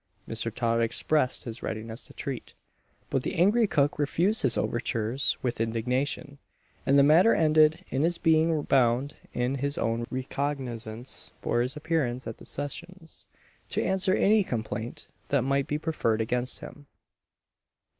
Mr. Todd expressed his readiness to treat; but the angry cook refused his overtures with indignation, and the matter ended in his being bound in his own recognizance for his appearance at the Sessions, to answer any complaint that might be preferred against him.